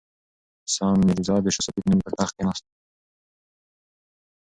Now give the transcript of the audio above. سام میرزا د شاه صفي په نوم پر تخت کښېناست.